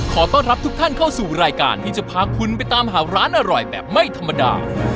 ขอต้อนรับทุกท่านเข้าสู่รายการที่จะพาคุณไปตามหาร้านอร่อยแบบไม่ธรรมดา